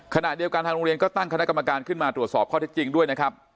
ขณะเดียวกันทางโรงเรียนก็ตั้งคณะกรรมการขึ้นมาตรวจสอบข้อเท็จจริงด้วยนะครับ